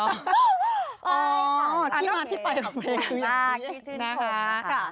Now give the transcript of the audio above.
อ๋ออันนี้มาที่ปล่อยลูกเพลงคืออย่างนี้นะคะคือชื่นของนะคะค่ะ